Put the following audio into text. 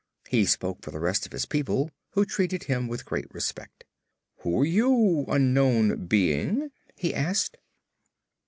He spoke for the rest of his people, who treated him with great respect. "Who are you, Unknown Being?" he asked.